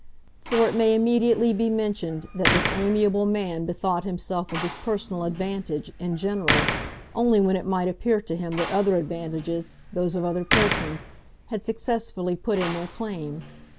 For it may immediately be mentioned that this amiable man bethought himself of his personal advantage, in general, only when it might appear to him that other advantages, those of other persons, had successfully put in their claim.